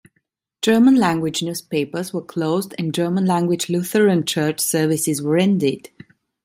German-language newspapers were closed and German-language Lutheran church services were ended.